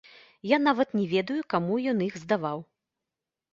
Я нават не ведаю, каму ён іх здаваў.